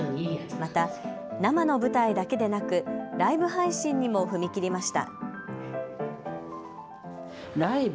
また生の舞台だけでなくライブ配信にも踏み切りました。